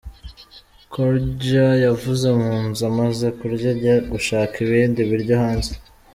Croidja yavuze mu nzu amaze kurya ajya gushaka ibindi biryo hanze.